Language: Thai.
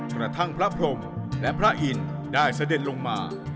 กระทั่งพระพรมและพระอินทร์ได้เสด็จลงมา